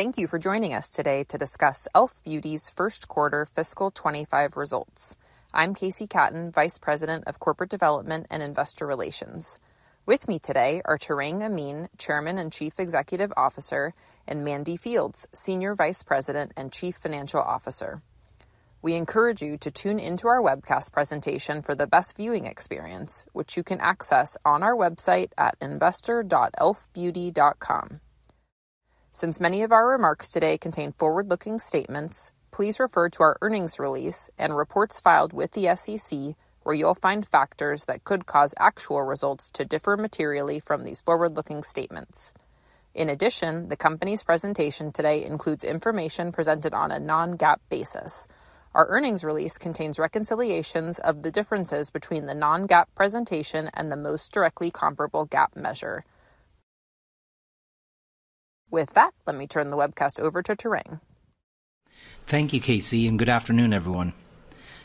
Thank you for joining us today to discuss e.l.f. Beauty's first quarter fiscal 2025 results. I'm KC Katten, Vice President of Corporate Development and Investor Relations. With me today are Tarang Amin, Chairman and Chief Executive Officer, and Mandy Fields, Senior Vice President and Chief Financial Officer. We encourage you to tune into our webcast presentation for the best viewing experience, which you can access on our website at investor.elfbeauty.com. Since many of our remarks today contain forward-looking statements, please refer to our earnings release and reports filed with the SEC, where you'll find factors that could cause actual results to differ materially from these forward-looking statements. In addition, the company's presentation today includes information presented on a non-GAAP basis. Our earnings release contains reconciliations of the differences between the non-GAAP presentation and the most directly comparable GAAP measure. With that, let me turn the webcast over to Tarang. Thank you, KC, and good afternoon, everyone.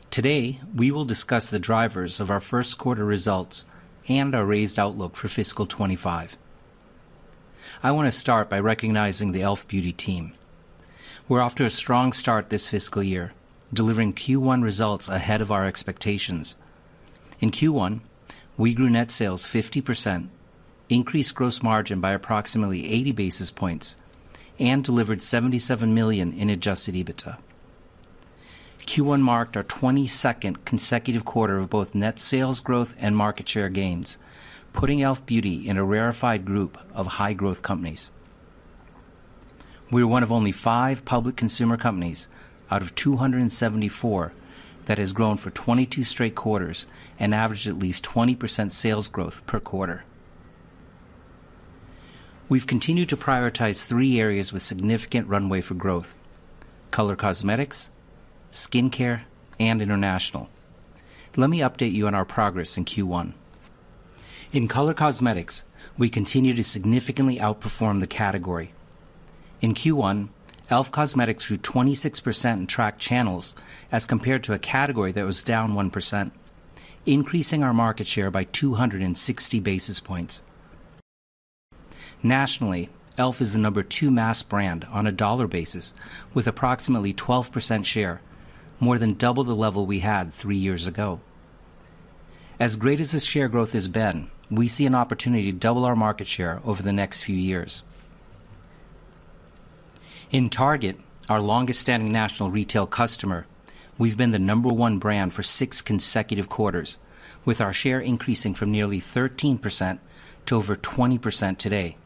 Today, we will discuss the drivers of our first quarter results and our raised outlook for fiscal 2025. I want to start by recognizing the e.l.f. Beauty team. We're off to a strong start this fiscal year, delivering Q1 results ahead of our expectations. In Q1, we grew net sales 50%, increased gross margin by approximately 80 basis points, and delivered $77 million in adjusted EBITDA. Q1 marked our 22nd consecutive quarter of both net sales growth and market share gains, putting e.l.f. Beauty in a rarefied group of high-growth companies. We are one of only five public consumer companies out of 274 that has grown for 22 straight quarters and averaged at least 20% sales growth per quarter. We've continued to prioritize three areas with significant runway for growth: color cosmetics, skincare, and international. Let me update you on our progress in Q1. In color cosmetics, we continue to significantly outperform the category. In Q1, e.l.f. Cosmetics grew 26% in tracked channels as compared to a category that was down 1%, increasing our market share by 260 basis points. Nationally, e.l.f. is the No. 2 mass brand on a dollar basis, with approximately 12% share, more than double the level we had 3 years ago. As great as this share growth has been, we see an opportunity to double our market share over the next few years. In Target, our longest-standing national retail customer, we've been the No. 1 brand for 6 consecutive quarters, with our share increasing from nearly 13% to over 20% today.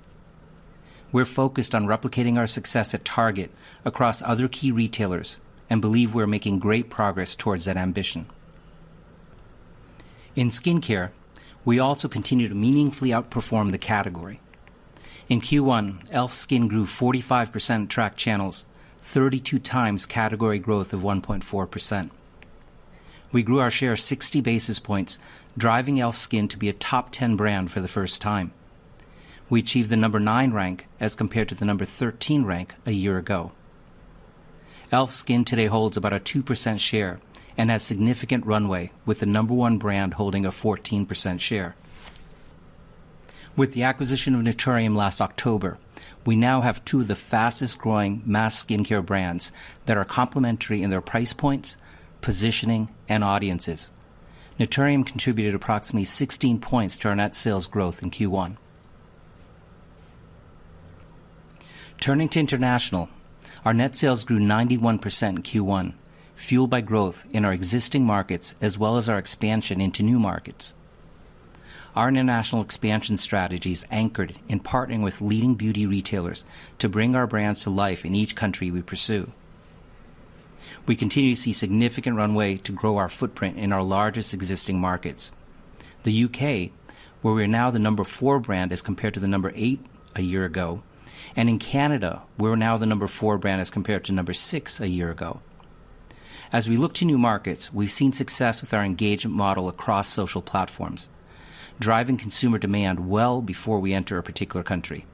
We're focused on replicating our success at Target across other key retailers and believe we're making great progress towards that ambition. In skincare, we also continue to meaningfully outperform the category. In Q1, e.l.f. Skin grew 45% in tracked channels, 32 times category growth of 1.4%. We grew our share 60 basis points, driving e.l.f. Skin to be a top ten brand for the first time. We achieved the number 9 rank as compared to the number 13 rank a year ago. e.l.f. Skin today holds about a 2% share and has significant runway, with the number 1 brand holding a 14% share. With the acquisition of Naturium last October, we now have two of the fastest-growing mass skincare brands that are complementary in their price points, positioning, and audiences. Naturium contributed approximately 16 points to our net sales growth in Q1. Turning to international, our net sales grew 91% in Q1, fueled by growth in our existing markets as well as our expansion into new markets. Our international expansion strategy is anchored in partnering with leading beauty retailers to bring our brands to life in each country we pursue. We continue to see significant runway to grow our footprint in our largest existing markets. The U.K., where we are now the number four brand, as compared to the number eight a year ago, and in Canada, we're now the number four brand, as compared to number six a year ago. As we look to new markets, we've seen success with our engagement model across social platforms, driving consumer demand well before we enter a particular country.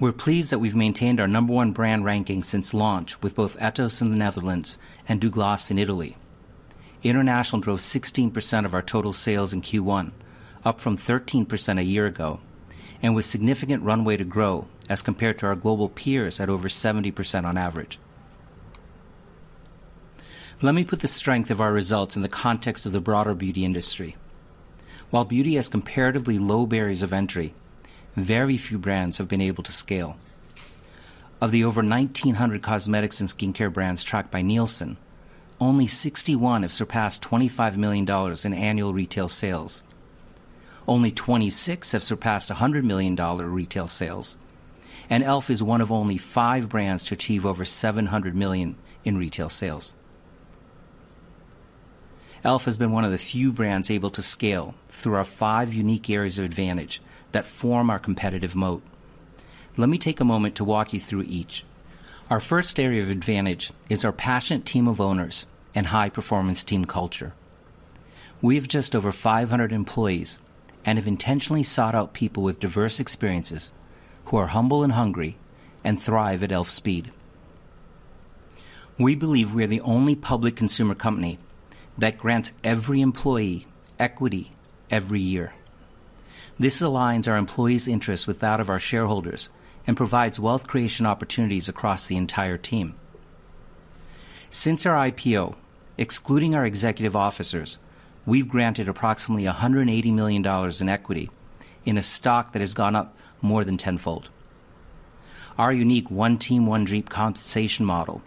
We're pleased that we've maintained our number one brand ranking since launch with both Etos in the Netherlands and Douglas in Italy. International drove 16% of our total sales in Q1, up from 13% a year ago, and with significant runway to grow as compared to our global peers at over 70% on average. Let me put the strength of our results in the context of the broader beauty industry. While beauty has comparatively low barriers of entry, very few brands have been able to scale. Of the over 1,900 cosmetics and skincare brands tracked by Nielsen, only 61 have surpassed $25 million in annual retail sales. Only 26 have surpassed $100 million retail sales, and e.l.f. is one of only five brands to achieve over $700 million in retail sales. e.l.f. has been one of the few brands able to scale through our five unique areas of advantage that form our competitive moat. Let me take a moment to walk you through each. Our first area of advantage is our passionate team of owners and high-performance team culture. We have just over 500 employees and have intentionally sought out people with diverse experiences who are humble and hungry and thrive at e.l.f. speed. We believe we are the only public consumer company that grants every employee equity every year. This aligns our employees' interests with that of our shareholders and provides wealth creation opportunities across the entire team. Since our IPO, excluding our executive officers, we've granted approximately $180 million in equity in a stock that has gone up more than tenfold. Our unique One Team, One Dream compensation model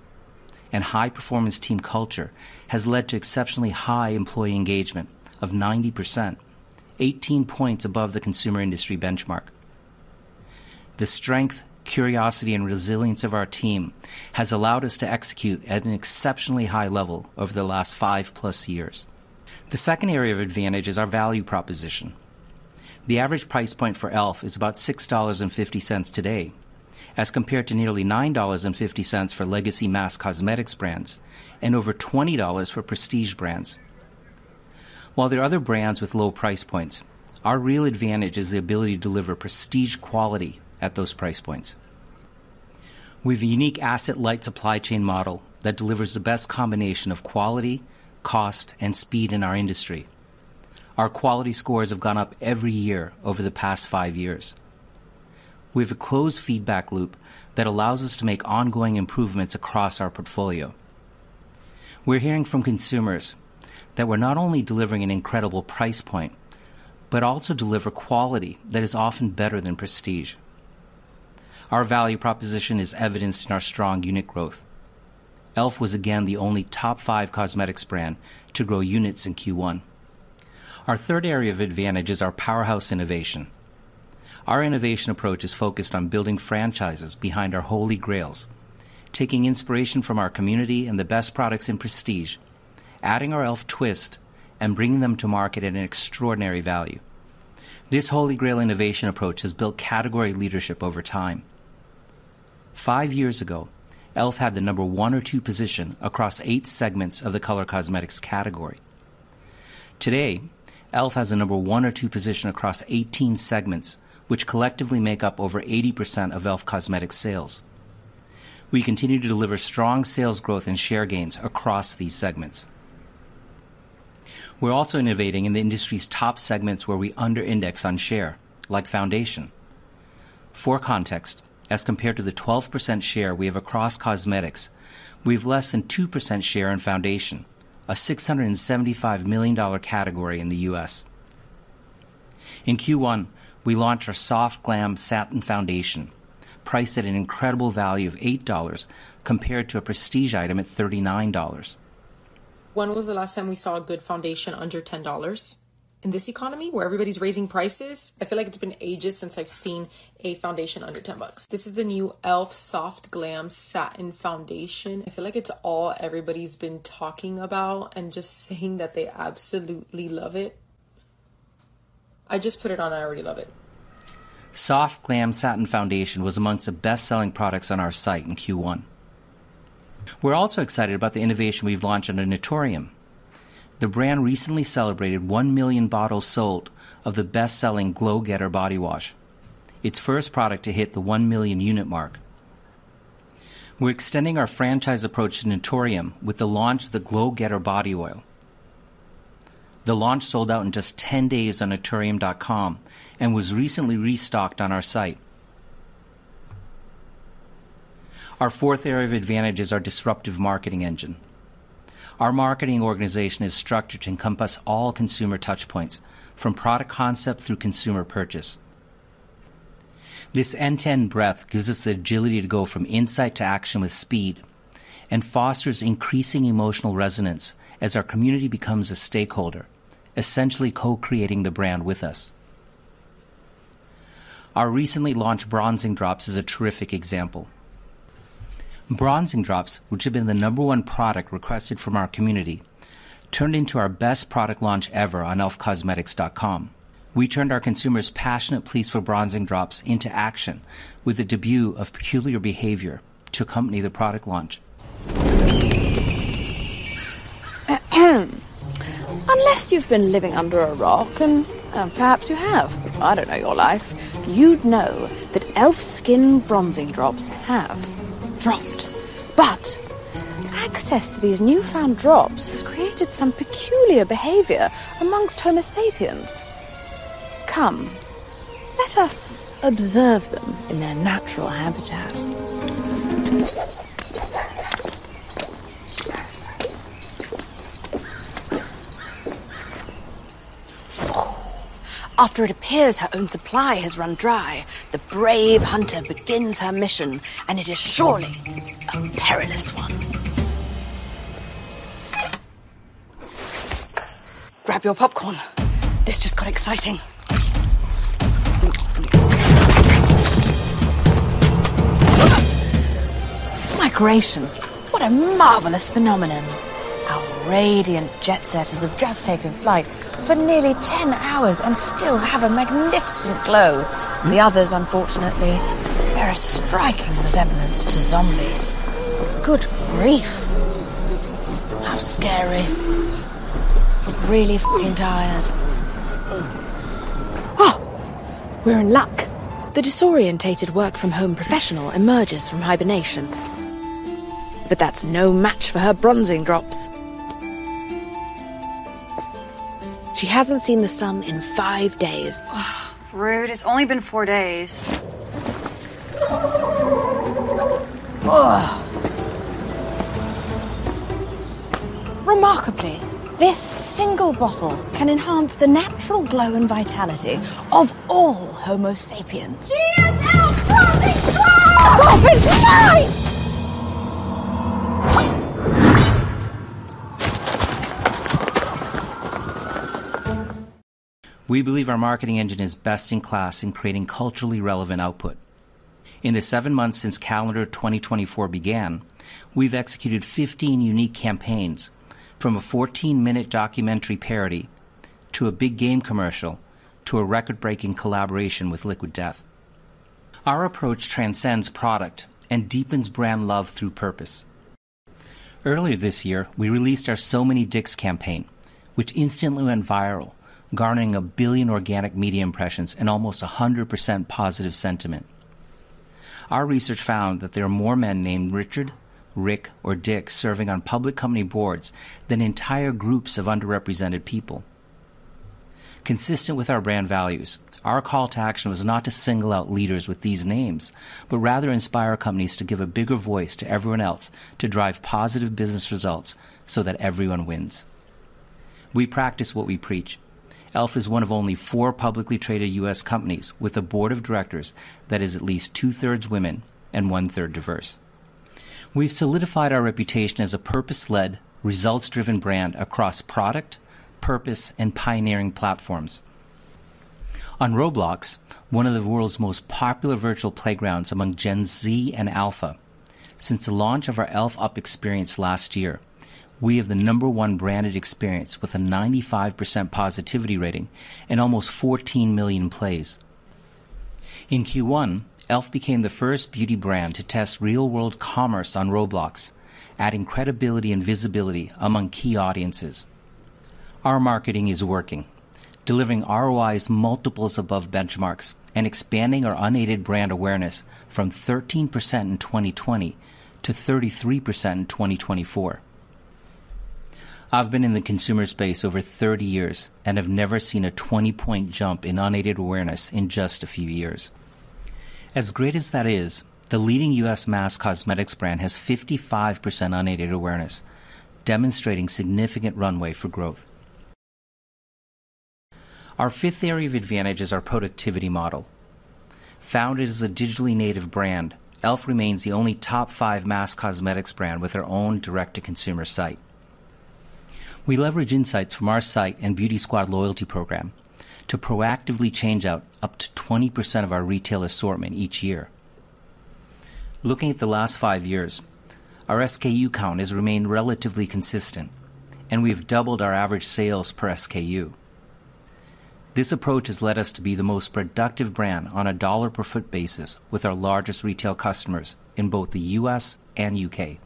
and high-performance team culture has led to exceptionally high employee engagement of 90%, 18 points above the consumer industry benchmark. The strength, curiosity, and resilience of our team has allowed us to execute at an exceptionally high level over the last 5+ years. The second area of advantage is our value proposition. The average price point for e.l.f. is about $6.50 today, as compared to nearly $9.50 for legacy mass cosmetics brands and over $20 for prestige brands. While there are other brands with low price points, our real advantage is the ability to deliver prestige quality at those price points. We have a unique asset-light supply chain model that delivers the best combination of quality, cost, and speed in our industry. Our quality scores have gone up every year over the past 5 years. We have a closed feedback loop that allows us to make ongoing improvements across our portfolio. We're hearing from consumers that we're not only delivering an incredible price point, but also deliver quality that is often better than prestige. Our value proposition is evidenced in our strong unit growth. e.l.f. was again the only top 5 cosmetics brand to grow units in Q1. Our third area of advantage is our powerhouse innovation. Our innovation approach is focused on building franchises behind our Holy Grails, taking inspiration from our community and the best products in prestige, adding our e.l.f. twist, and bringing them to market at an extraordinary value. This Holy Grail innovation approach has built category leadership over time. 5 years ago, e.l.f. had the number one or two position across 8 segments of the color cosmetics category. Today, e.l.f. has a number one or two position across 18 segments, which collectively make up over 80% of e.l.f. Cosmetics' sales. We continue to deliver strong sales growth and share gains across these segments. We're also innovating in the industry's top segments where we under-index on share, like foundation. For context, as compared to the 12% share we have across cosmetics, we have less than 2% share in foundation, a $675 million category in the US. In Q1, we launched our Soft Glam Satin Foundation, priced at an incredible value of $8, compared to a prestige item at $39. When was the last time we saw a good foundation under $10? In this economy, where everybody's raising prices, I feel like it's been ages since I've seen a foundation under $10. This is the new e.l.f. Soft Glam Satin Foundation. I feel like it's all everybody's been talking about and just saying that they absolutely love it. I just put it on, and I already love it. Soft Glam Satin Foundation was among the best-selling products on our site in Q1. We're also excited about the innovation we've launched under Naturium. The brand recently celebrated 1 million bottles sold of the best-selling Glow Getter Body Wash, its first product to hit the 1-million-unit mark. We're extending our franchise approach to Naturium with the launch of the Glow Getter Body Oil. The launch sold out in just 10 days on Naturium.com and was recently restocked on our site. Our fourth area of advantage is our disruptive marketing engine. Our marketing organization is structured to encompass all consumer touchpoints, from product concept through consumer purchase. This end-to-end breadth gives us the agility to go from insight to action with speed and fosters increasing emotional resonance as our community becomes a stakeholder, essentially co-creating the brand with us. Our recently launched Bronzing Drops is a terrific example. Bronzing Drops, which have been the number one product requested from our community, turned into our best product launch ever on elfcosmetics.com. We turned our consumers' passionate pleas for Bronzing Drops into action with the debut of Peculiar Behavior to accompany the product launch. Unless you've been living under a rock, and, perhaps you have, I don't know your life, you'd know that e.l.f. Skin Bronzing Drops have dropped. But access to these newfound drops has created some peculiar behavior amongst Homo sapiens. Come, let us observe them in their natural habitat. After it appears her own supply has run dry, the brave hunter begins her mission, and it is surely a perilous one. Grab your popcorn. This just got exciting. Migration, what a marvelous phenomenon! Our radiant jet setters have just taken flight for nearly ten hours and still have a magnificent glow. The others, unfortunately, bear a striking resemblance to zombies. Good grief! How scary! Really tired. Oh, we're in luck. The disoriented work from home professional emerges from hibernation, but that's no match for her Bronzing Drops. She hasn't seen the sun in five days. Ugh, rude. It's only been four days. Ugh! Remarkably, this single bottle can enhance the natural glow and vitality of all Homo sapiens. TFL dropping bomb! Drop and slide. We believe our marketing engine is best-in-class in creating culturally relevant output. In the 7 months since calendar 2024 began, we've executed 15 unique campaigns, from a 14-minute documentary parody, to a big game commercial, to a record-breaking collaboration with Liquid Death. Our approach transcends product and deepens brand love through purpose. Earlier this year, we released our So Many Dicks campaign, which instantly went viral, garnering 1 billion organic media impressions and almost 100% positive sentiment. Our research found that there are more men named Richard, Rick, or Dick serving on public company boards than entire groups of underrepresented people. Consistent with our brand values, our call to action was not to single out leaders with these names, but rather inspire companies to give a bigger voice to everyone else to drive positive business results so that everyone wins. We practice what we preach. E.l.f. is one of only four publicly traded U.S. companies with a board of directors that is at least two-thirds women and one-third diverse. We've solidified our reputation as a purpose-led, results-driven brand across product, purpose, and pioneering platforms. On Roblox, one of the world's most popular virtual playgrounds among Gen Z and Alpha, since the launch of our e.l.f. UP! experience last year, we have the number one branded experience with a 95% positivity rating and almost 14 million plays. In Q1, e.l.f. became the first beauty brand to test real-world commerce on Roblox, adding credibility and visibility among key audiences. Our marketing is working, delivering ROIs multiples above benchmarks and expanding our unaided brand awareness from 13% in 2020 to 33% in 2024. I've been in the consumer space over 30 years and have never seen a 20-point jump in unaided awareness in just a few years. As great as that is, the leading U.S. mass cosmetics brand has 55% unaided awareness, demonstrating significant runway for growth. Our fifth area of advantage is our productivity model. Founded as a digitally native brand, e.l.f. remains the only top five mass cosmetics brand with our own direct-to-consumer site. We leverage insights from our site and Beauty Squad loyalty program to proactively change out up to 20% of our retail assortment each year. Looking at the last five years, our SKU count has remained relatively consistent, and we've doubled our average sales per SKU. This approach has led us to be the most productive brand on a dollar-per-foot basis with our largest retail customers in both the U.S. and U.K.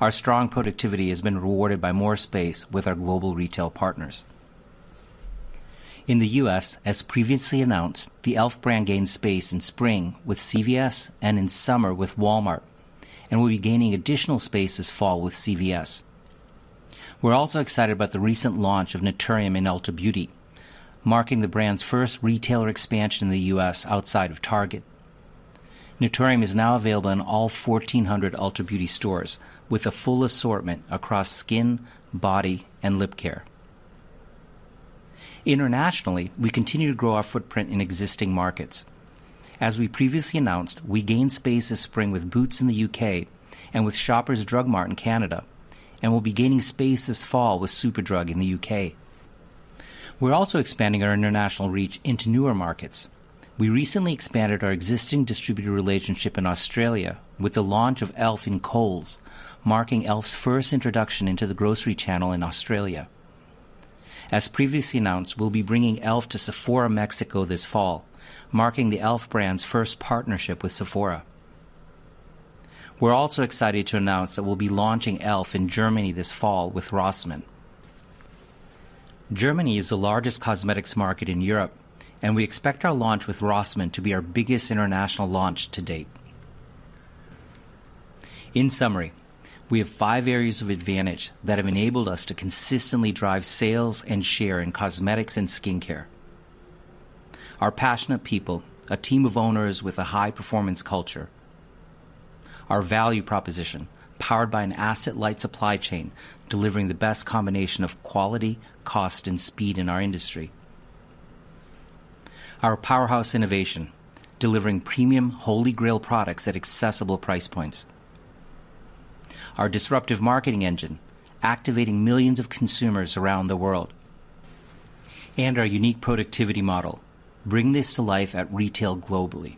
Our strong productivity has been rewarded by more space with our global retail partners. In the U.S., as previously announced, the e.l.f. brand gained space in spring with CVS and in summer with Walmart, and will be gaining additional space this fall with CVS. We're also excited about the recent launch of Naturium in Ulta Beauty, marking the brand's first retailer expansion in the U.S. outside of Target. Naturium is now available in all 1,400 Ulta Beauty stores with a full assortment across skin, body, and lip care. Internationally, we continue to grow our footprint in existing markets. As we previously announced, we gained space this spring with Boots in the U.K. and with Shoppers Drug Mart in Canada, and we'll be gaining space this fall with Superdrug in the U.K. We're also expanding our international reach into newer markets. We recently expanded our existing distributor relationship in Australia with the launch of e.l.f. in Coles, marking e.l.f.'s first introduction into the grocery channel in Australia. As previously announced, we'll be bringing e.l.f. to Sephora Mexico this fall, marking the e.l.f. brand's first partnership with Sephora. We're also excited to announce that we'll be launching e.l.f. in Germany this fall with Rossmann. Germany is the largest cosmetics market in Europe, and we expect our launch with Rossmann to be our biggest international launch to date. In summary, we have five areas of advantage that have enabled us to consistently drive sales and share in cosmetics and skincare. Our passionate people, a team of owners with a high-performance culture. Our value proposition, powered by an asset-light supply chain, delivering the best combination of quality, cost, and speed in our industry. Our powerhouse innovation, delivering premium Holy Grail products at accessible price points. Our disruptive marketing engine, activating millions of consumers around the world, and our unique productivity model, bringing this to life at retail globally.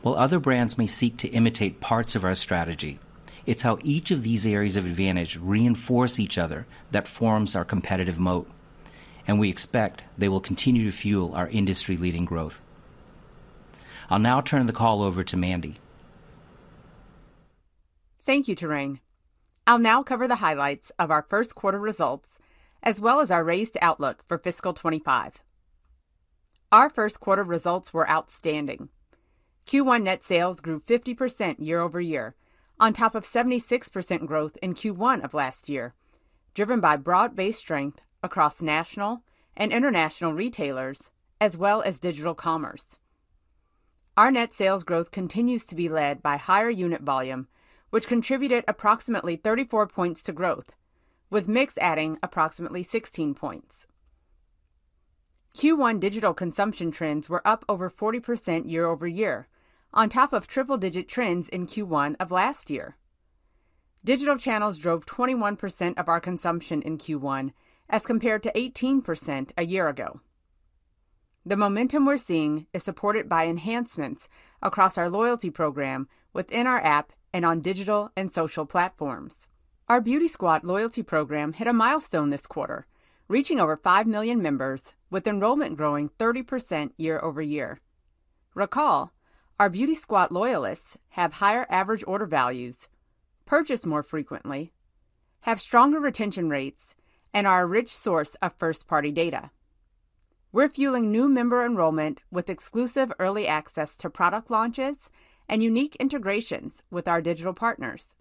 While other brands may seek to imitate parts of our strategy, it's how each of these areas of advantage reinforce each other that forms our competitive moat, and we expect they will continue to fuel our industry-leading growth. I'll now turn the call over to Mandy. Thank you, Tarang. I'll now cover the highlights of our first quarter results, as well as our raised outlook for fiscal 2025. Our first quarter results were outstanding. Q1 net sales grew 50% year-over-year, on top of 76% growth in Q1 of last year, driven by broad-based strength across national and international retailers, as well as digital commerce. Our net sales growth continues to be led by higher unit volume, which contributed approximately 34 points to growth, with mix adding approximately 16 points. Q1 digital consumption trends were up over 40% year-over-year, on top of triple-digit trends in Q1 of last year. Digital channels drove 21% of our consumption in Q1, as compared to 18% a year ago. The momentum we're seeing is supported by enhancements across our loyalty program within our app and on digital and social platforms. Our Beauty Squad loyalty program hit a milestone this quarter, reaching over 5 million members, with enrollment growing 30% year-over-year. Recall, our Beauty Squad loyalists have higher average order values, purchase more frequently, have stronger retention rates, and are a rich source of first-party data. We're fueling new member enrollment with exclusive early access to product launches and unique integrations with our digital partners.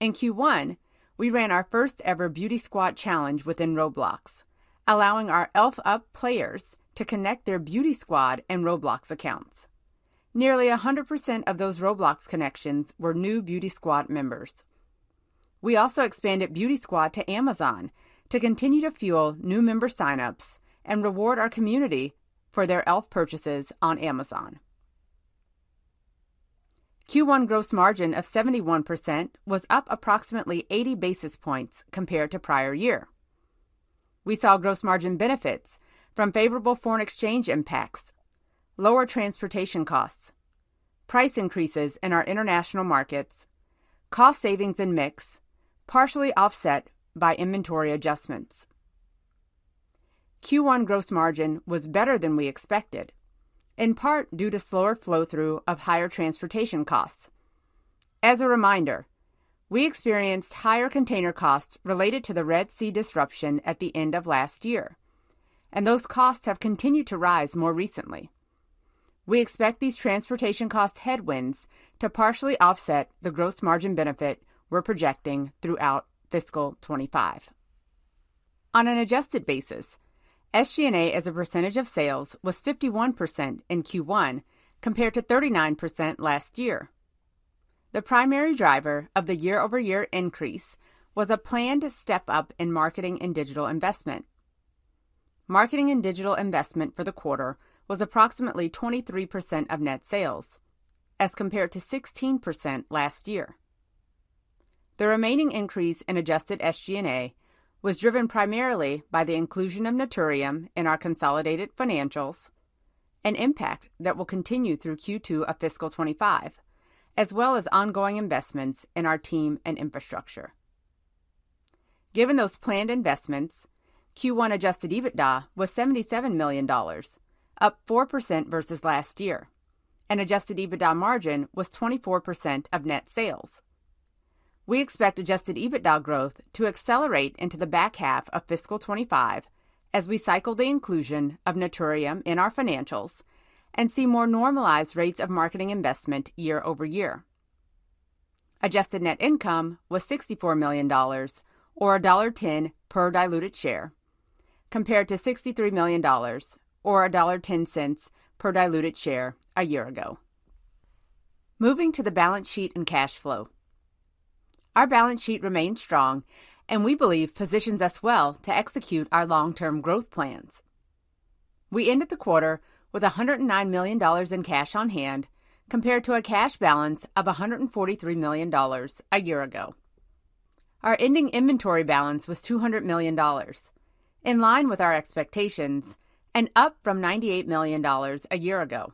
In Q1, we ran our first-ever Beauty Squad challenge within Roblox, allowing our e.l.f. UP! players to connect their Beauty Squad and Roblox accounts. Nearly 100% of those Roblox connections were new Beauty Squad members. We also expanded Beauty Squad to Amazon to continue to fuel new member signups and reward our community for their e.l.f. purchases on Amazon. Q1 gross margin of 71% was up approximately 80 basis points compared to prior year. We saw gross margin benefits from favorable foreign exchange impacts, lower transportation costs, price increases in our international markets, cost savings and mix, partially offset by inventory adjustments. Q1 gross margin was better than we expected, in part due to slower flow-through of higher transportation costs. As a reminder, we experienced higher container costs related to the Red Sea disruption at the end of last year, and those costs have continued to rise more recently. We expect these transportation cost headwinds to partially offset the gross margin benefit we're projecting throughout fiscal 2025. On an adjusted basis, SG&A as a percentage of sales was 51% in Q1, compared to 39% last year. The primary driver of the year-over-year increase was a planned step up in marketing and digital investment. Marketing and digital investment for the quarter was approximately 23% of net sales, as compared to 16% last year. The remaining increase in adjusted SG&A was driven primarily by the inclusion of Naturium in our consolidated financials, an impact that will continue through Q2 of fiscal 2025, as well as ongoing investments in our team and infrastructure. Given those planned investments, Q1 adjusted EBITDA was $77 million, up 4% versus last year, and adjusted EBITDA margin was 24% of net sales. We expect adjusted EBITDA growth to accelerate into the back half of fiscal 2025 as we cycle the inclusion of Naturium in our financials and see more normalized rates of marketing investment year over year. Adjusted net income was $64 million or $1.10 per diluted share, compared to $63 million or $1.10 per diluted share a year ago. Moving to the balance sheet and cash flow. Our balance sheet remains strong and we believe positions us well to execute our long-term growth plans. We ended the quarter with $109 million in cash on hand, compared to a cash balance of $143 million a year ago. Our ending inventory balance was $200 million, in line with our expectations and up from $98 million a year ago.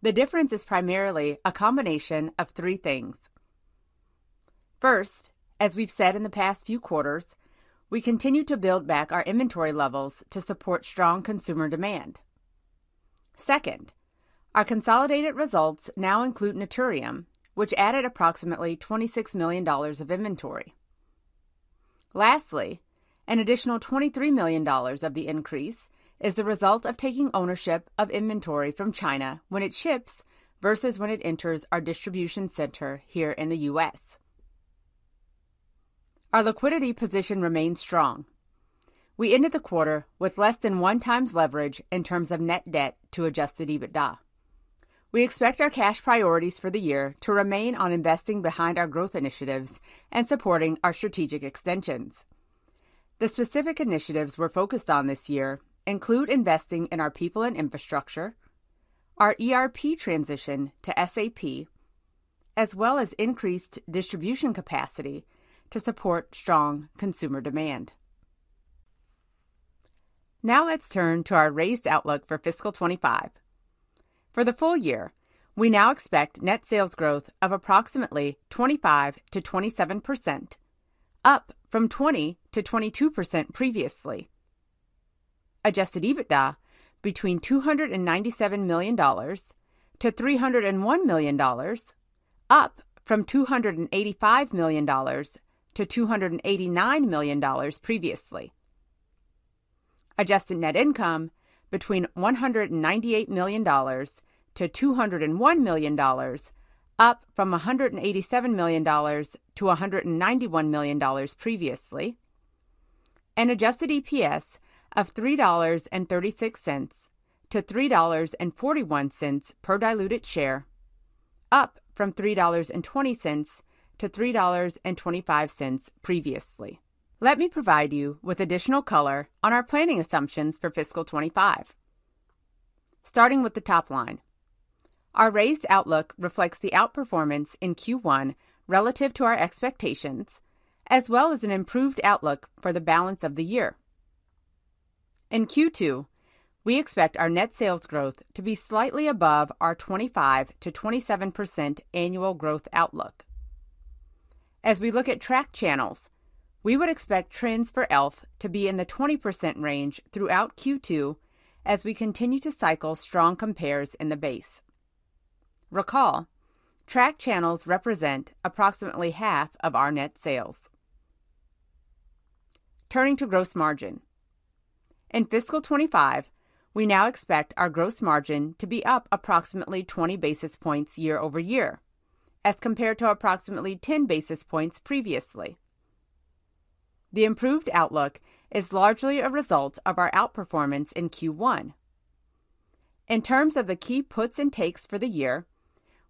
The difference is primarily a combination of three things. First, as we've said in the past few quarters, we continue to build back our inventory levels to support strong consumer demand. Second, our consolidated results now include Naturium, which added approximately $26 million of inventory. Lastly, an additional $23 million of the increase is the result of taking ownership of inventory from China when it ships, versus when it enters our distribution center here in the U.S. Our liquidity position remains strong. We ended the quarter with less than 1x leverage in terms of net debt to adjusted EBITDA. We expect our cash priorities for the year to remain on investing behind our growth initiatives and supporting our strategic extensions. The specific initiatives we're focused on this year include investing in our people and infrastructure, our ERP transition to SAP, as well as increased distribution capacity to support strong consumer demand. Now let's turn to our raised outlook for fiscal 2025. For the full year, we now expect net sales growth of approximately 25%-27%. up from 20%-22% previously. Adjusted EBITDA between $297 million-$301 million, up from $285 million-$289 million previously. Adjusted net income between $198 million-$201 million, up from $187 million-$191 million previously, and adjusted EPS of $3.36-$3.41 per diluted share, up from $3.20-$3.25 previously. Let me provide you with additional color on our planning assumptions for fiscal 2025. Starting with the top line, our raised outlook reflects the outperformance in Q1 relative to our expectations, as well as an improved outlook for the balance of the year. In Q2, we expect our net sales growth to be slightly above our 25%-27% annual growth outlook. As we look at tracked channels, we would expect trends for e.l.f. to be in the 20% range throughout Q2 as we continue to cycle strong compares in the base. Recall tracked channels represent approximately half of our net sales. Turning to gross margin. In fiscal 2025, we now expect our gross margin to be up approximately 20 basis points year-over-year, as compared to approximately 10 basis points previously. The improved outlook is largely a result of our outperformance in Q1. In terms of the key puts and takes for the year,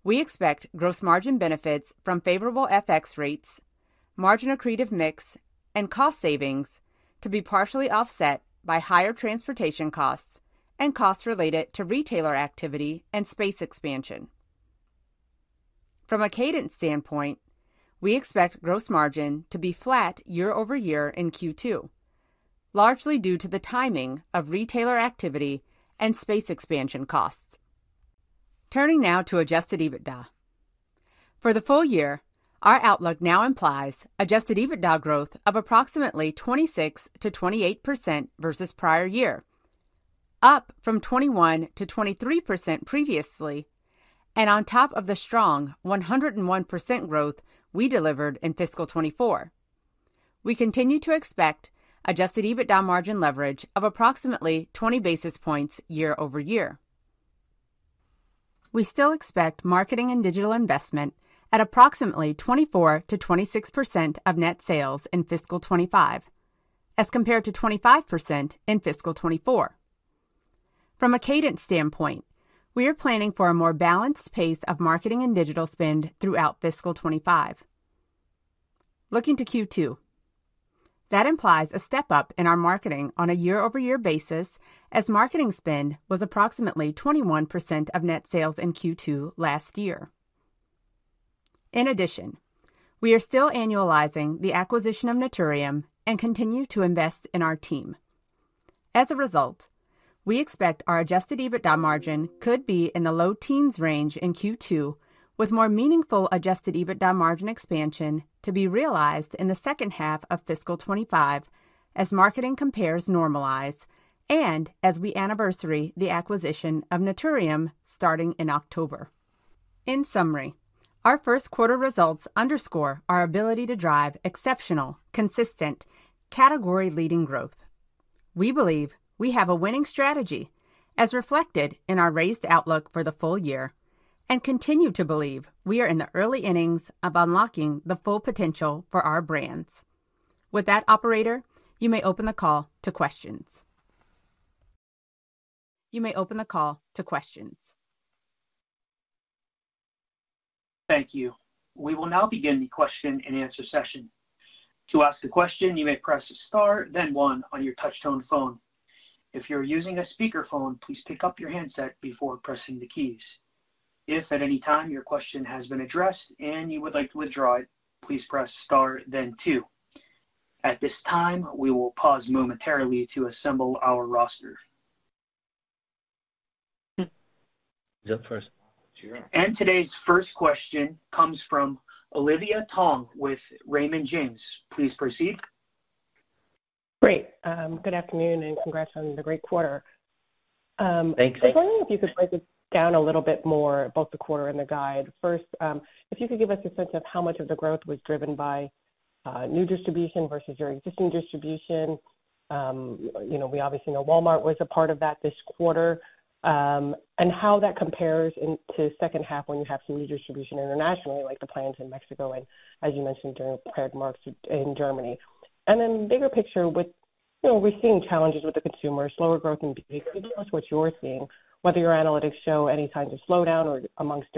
we expect gross margin benefits from favorable FX rates, margin accretive mix, and cost savings to be partially offset by higher transportation costs and costs related to retailer activity and space expansion. From a cadence standpoint, we expect gross margin to be flat year-over-year in Q2, largely due to the timing of retailer activity and space expansion costs. Turning now to adjusted EBITDA. For the full year, our outlook now implies adjusted EBITDA growth of approximately 26%-28% versus prior year, up from 21%-23% previously, and on top of the strong 101% growth we delivered in fiscal 2024. We continue to expect adjusted EBITDA margin leverage of approximately 20 basis points year-over-year. We still expect marketing and digital investment at approximately 24%-26% of net sales in fiscal 2025, as compared to 25% in fiscal 2024. From a cadence standpoint, we are planning for a more balanced pace of marketing and digital spend throughout fiscal 2025. Looking to Q2, that implies a step-up in our marketing on a year-over-year basis, as marketing spend was approximately 21% of net sales in Q2 last year. In addition, we are still annualizing the acquisition of Naturium and continue to invest in our team. As a result, we expect our adjusted EBITDA margin could be in the low teens range in Q2, with more meaningful adjusted EBITDA margin expansion to be realized in the second half of fiscal 2025 as marketing compares normalize and as we anniversary the acquisition of Naturium starting in October. In summary, our first quarter results underscore our ability to drive exceptional, consistent, category-leading growth. We believe we have a winning strategy, as reflected in our raised outlook for the full year, and continue to believe we are in the early innings of unlocking the full potential for our brands. With that, operator, you may open the call to questions. You may open the call to questions. Thank you. We will now begin the question-and-answer session. To ask a question, you may press star, then one on your touchtone phone. If you're using a speakerphone, please pick up your handset before pressing the keys. If at any time your question has been addressed and you would like to withdraw it, please press star then two. At this time, we will pause momentarily to assemble our roster. You're up first. Today's first question comes from Olivia Tong with Raymond James. Please proceed. Great. Good afternoon, and congrats on the great quarter. Thanks. I was wondering if you could break it down a little bit more, both the quarter and the guide. First, if you could give us a sense of how much of the growth was driven by new distribution versus your existing distribution. You know, we obviously know Walmart was a part of that this quarter, and how that compares into the second half when you have new distribution internationally, like the plans in Mexico and as you mentioned during prepared remarks in Germany. And then bigger picture with. You know, we're seeing challenges with the consumer, slower growth in beauty. Could you tell us what you're seeing whether your analytics show any signs of slowdown or amongst,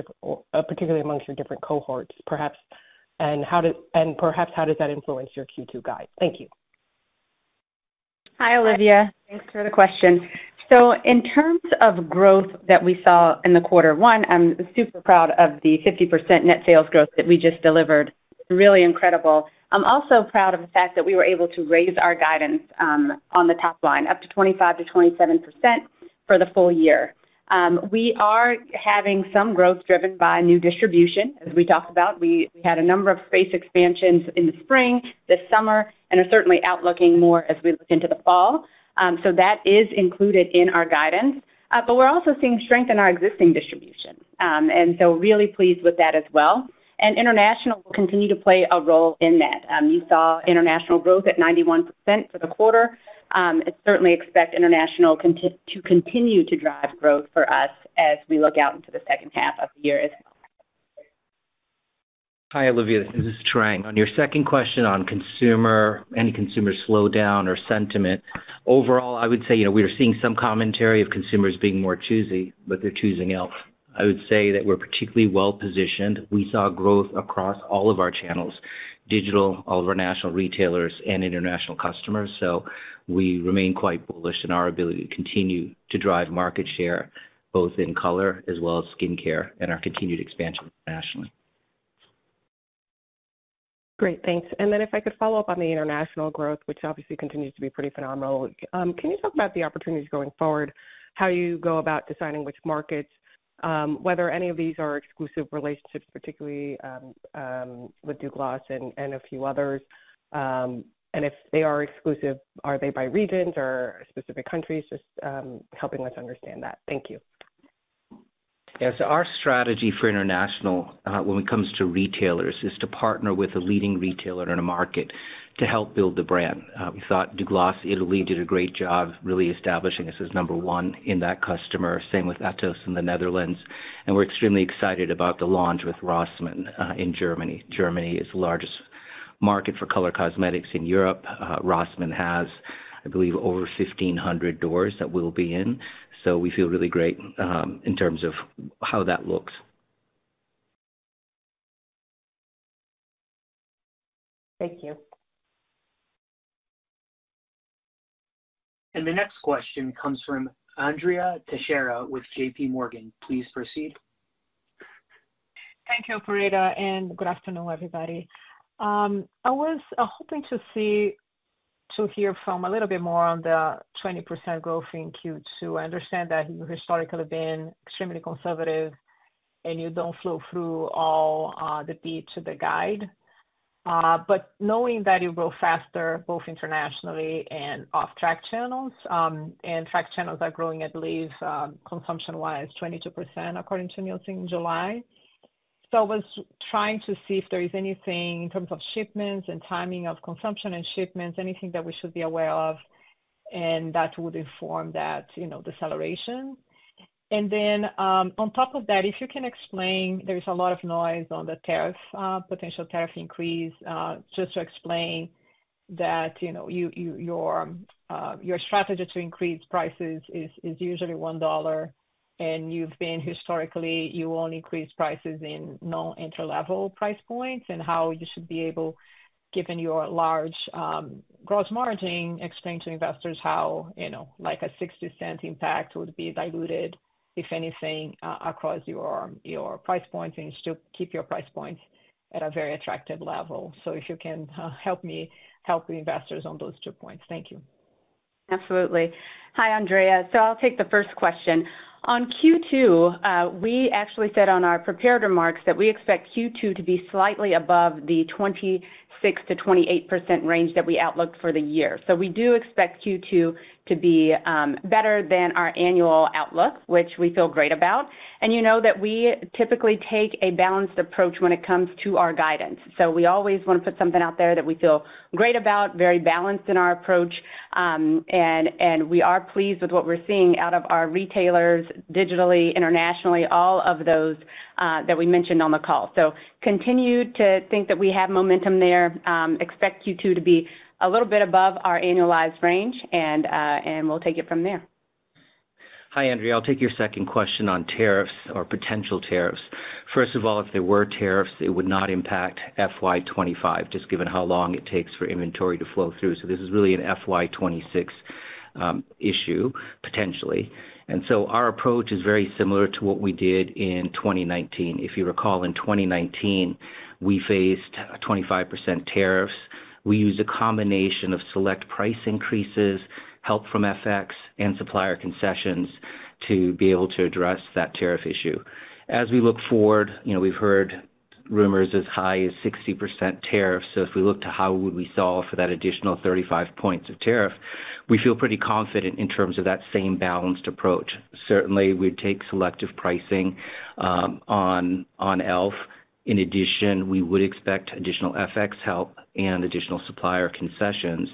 particularly amongst your different cohorts, perhaps, and how does and perhaps how does that influence your Q2 guide? Thank you. Hi, Olivia. Thanks for the question. So in terms of growth that we saw in the quarter one, I'm super proud of the 50% net sales growth that we just delivered. Really incredible. I'm also proud of the fact that we were able to raise our guidance on the top line, up to 25%-27%. For the full year. We are having some growth driven by new distribution. As we talked about, we, we had a number of space expansions in the spring, this summer, and are certainly expecting more as we look into the fall. So that is included in our guidance. But we're also seeing strength in our existing distribution, and so really pleased with that as well. And international will continue to play a role in that. You saw international growth at 91% for the quarter. I certainly expect international to continue to drive growth for us as we look out into the second half of the year as well. Hi, Olivia, this is Tarang. On your second question on consumer, any consumer slowdown or sentiment, overall, I would say, you know, we are seeing some commentary of consumers being more choosy, but they're choosing e.l.f. I would say that we're particularly well positioned. We saw growth across all of our channels, digital, all of our national retailers, and international customers. So we remain quite bullish in our ability to continue to drive market share, both in color as well as skincare, and our continued expansion internationally. Great, thanks. And then if I could follow up on the international growth, which obviously continues to be pretty phenomenal. Can you talk about the opportunities going forward, how you go about deciding which markets, whether any of these are exclusive relationships, particularly with Douglas and a few others? And if they are exclusive, are they by regions or specific countries? Just helping us understand that. Thank you. Yeah, so our strategy for international, when it comes to retailers, is to partner with a leading retailer in a market to help build the brand. We thought Douglas, Italy, did a great job really establishing us as number one in that customer. Same with Etos in the Netherlands, and we're extremely excited about the launch with Rossmann in Germany. Germany is the largest market for color cosmetics in Europe. Rossmann has, I believe, over 1,500 doors that we'll be in, so we feel really great in terms of how that looks. Thank you. The next question comes from Andrea Teixeira with J.P. Morgan. Please proceed. Thank you, Operator, and good afternoon, everybody. I was hoping to hear a little bit more on the 20% growth in Q2. I understand that you've historically been extremely conservative, and you don't flow through all the beat to the guide. But knowing that you grow faster, both internationally and off-track channels, and track channels are growing, at least consumption-wise, 22%, according to Nielsen July. So I was trying to see if there is anything in terms of shipments and timing of consumption and shipments, anything that we should be aware of, and that would inform that, you know, deceleration. And then, on top of that, if you can explain, there is a lot of noise on the tariff, potential tariff increase. Just to explain that, you know, you, you, your, your strategy to increase prices is, is usually $1, and you've been historically, you only increase prices in no interlevel price points, and how you should be able, given your large, gross margin, explain to investors how, you know, like a $0.60 impact would be diluted, if anything, across your, your price points, and you still keep your price points at a very attractive level. So if you can, help me help the investors on those two points. Thank you. Absolutely. Hi, Andrea. So I'll take the first question. On Q2, we actually said on our prepared remarks that we expect Q2 to be slightly above the 26%-28% range that we outlooked for the year. So we do expect Q2 to be, better than our annual outlook, which we feel great about. And you know that we typically take a balanced approach when it comes to our guidance. So we always want to put something out there that we feel great about, very balanced in our approach, and, and we are pleased with what we're seeing out of our retailers, digitally, internationally, all of those, that we mentioned on the call. So continue to think that we have momentum there, expect Q2 to be a little bit above our annualized range, and, and we'll take it from there. Hi, Andrea, I'll take your second question on tariffs or potential tariffs. First of all, if there were tariffs, it would not impact FY 2025, just given how long it takes for inventory to flow through. So this is really an FY 2026 issue, potentially. And so our approach is very similar to what we did in 2019. If you recall, in 2019, we faced a 25% tariffs. We used a combination of select price increases, help from FX, and supplier concessions to be able to address that tariff issue. As we look forward, you know, we've heard rumors as high as 60% tariffs. So if we look to how would we solve for that additional 35 points of tariff, we feel pretty confident in terms of that same balanced approach. Certainly, we'd take selective pricing, on, on e.l.f. In addition, we would expect additional FX help and additional supplier concessions.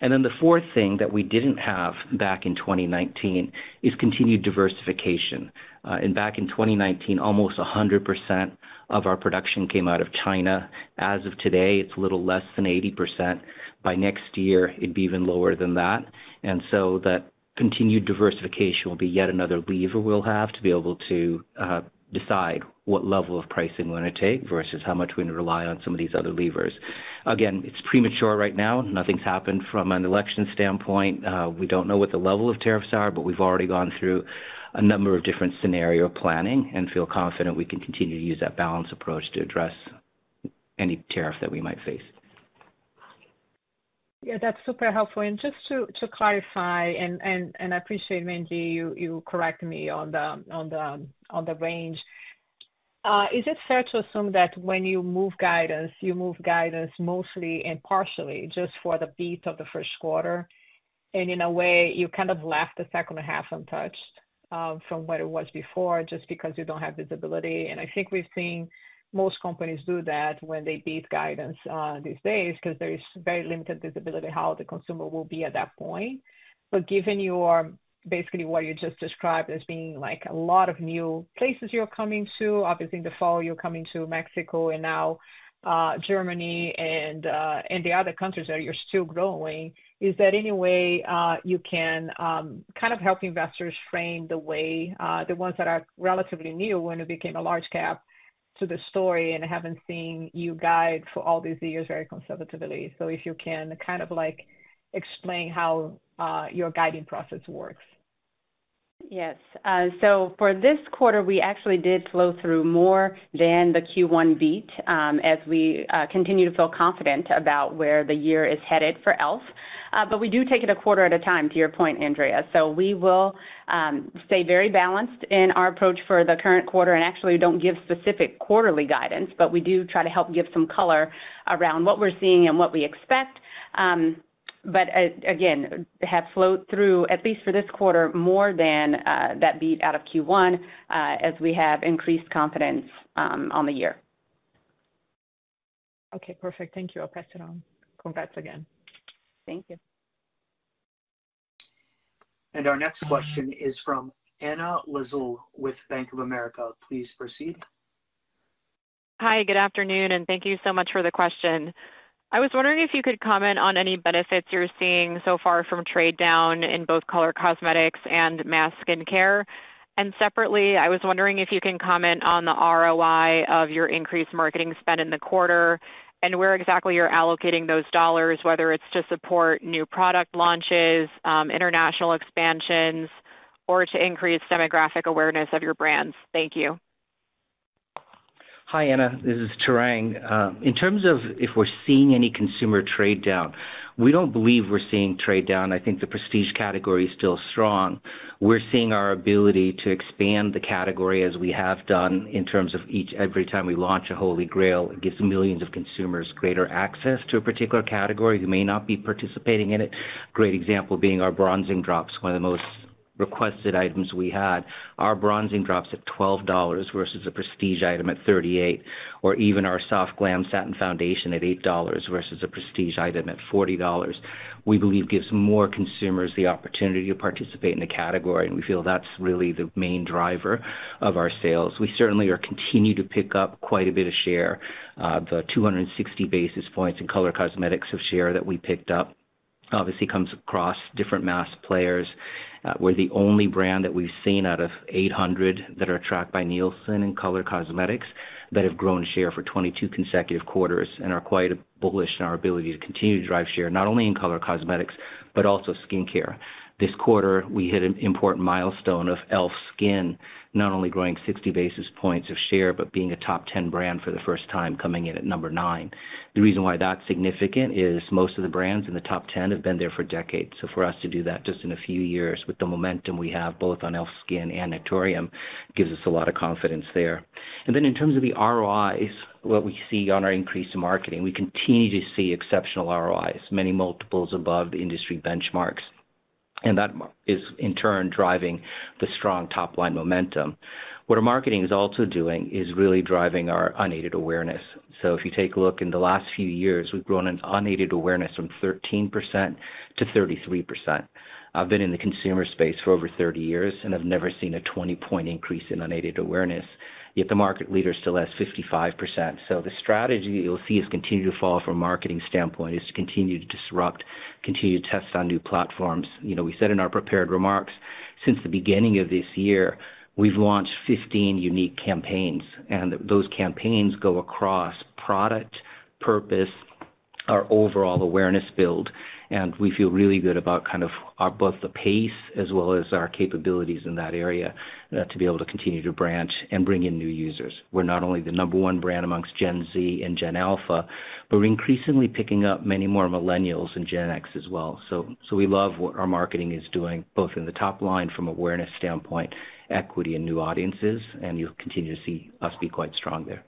Then the fourth thing that we didn't have back in 2019 is continued diversification. Back in 2019, almost 100% of our production came out of China. As of today, it's a little less than 80%. By next year, it'd be even lower than that. And so that continued diversification will be yet another lever we'll have to be able to decide what level of pricing we're gonna take versus how much we're gonna rely on some of these other levers. Again, it's premature right now. Nothing's happened from an election standpoint. We don't know what the level of tariffs are, but we've already gone through a number of different scenario planning and feel confident we can continue to use that balanced approach to address any tariff that we might face. Yeah, that's super helpful. And just to clarify, I appreciate, Mandy, you correct me on the range. Is it fair to assume that when you move guidance, you move guidance mostly and partially just for the beat of the first quarter? And in a way, you kind of left the second half untouched from what it was before, just because you don't have visibility. And I think we've seen most companies do that when they beat guidance these days, because there is very limited visibility how the consumer will be at that point. But given your, basically what you just described as being like a lot of new places you're coming to, obviously in the fall, you're coming to Mexico and now, Germany and the other countries that you're still growing, is there any way you can kind of help investors frame the way, the ones that are relatively new when it became a large cap to the story and haven't seen you guide for all these years very conservatively? So if you can kind of like explain how your guiding process works. Yes. So for this quarter, we actually did flow through more than the Q1 beat, as we continue to feel confident about where the year is headed for e.l.f. But we do take it a quarter at a time, to your point, Andrea. So we will stay very balanced in our approach for the current quarter and actually don't give specific quarterly guidance, but we do try to help give some color around what we're seeing and what we expect. But, again, have flowed through, at least for this quarter, more than that beat out of Q1, as we have increased confidence on the year. Okay, perfect. Thank you. I'll pass it on. Congrats again. Thank you. Our next question is from Anna Lizzul with Bank of America. Please proceed. Hi, good afternoon, and thank you so much for the question. I was wondering if you could comment on any benefits you're seeing so far from trade down in both color cosmetics and mass skincare. And separately, I was wondering if you can comment on the ROI of your increased marketing spend in the quarter and where exactly you're allocating those dollars, whether it's to support new product launches, international expansions, or to increase demographic awareness of your brands. Thank you. Hi, Anna. This is Tarang. In terms of if we're seeing any consumer trade down, we don't believe we're seeing trade down. I think the prestige category is still strong. We're seeing our ability to expand the category as we have done in terms of every time we launch a Holy Grail, it gives millions of consumers greater access to a particular category who may not be participating in it. Great example being our Bronzing Drops, one of the most requested items we had. Our Bronzing Drops at $12 versus a prestige item at $38, or even our Soft Glam Satin Foundation at $8 versus a prestige item at $40, we believe gives more consumers the opportunity to participate in the category, and we feel that's really the main driver of our sales. We certainly are continuing to pick up quite a bit of share. The 260 basis points in color cosmetics of share that we picked up obviously comes across different mass players. We're the only brand that we've seen out of 800 that are tracked by Nielsen in color cosmetics that have grown share for 22 consecutive quarters and are quite bullish on our ability to continue to drive share, not only in color cosmetics, but also skincare. This quarter, we hit an important milestone of e.l.f. Skin, not only growing 60 basis points of share, but being a top 10 brand for the first time, coming in at number 9. The reason why that's significant is most of the brands in the top 10 have been there for decades. So for us to do that just in a few years with the momentum we have, both on e.l.f. Skin and Naturium gives us a lot of confidence there. Then in terms of the ROIs, what we see on our increased marketing, we continue to see exceptional ROIs, many multiples above the industry benchmarks, and that is in turn driving the strong top-line momentum. What our marketing is also doing is really driving our unaided awareness. So if you take a look in the last few years, we've grown an unaided awareness from 13% to 33%. I've been in the consumer space for over 30 years, and I've never seen a 20-point increase in unaided awareness, yet the market leader still has 55%. So the strategy you'll see us continue to follow from a marketing standpoint is to continue to disrupt, continue to test on new platforms. You know, we said in our prepared remarks, since the beginning of this year, we've launched 15 unique campaigns, and those campaigns go across product, purpose, our overall awareness build, and we feel really good about kind of both the pace as well as our capabilities in that area, to be able to continue to branch and bring in new users. We're not only the number 1 brand amongst Gen Z and Gen Alpha, but we're increasingly picking up many more millennials and Gen X as well. So, so we love what our marketing is doing, both in the top line from awareness standpoint, equity and new audiences, and you'll continue to see us be quite strong there.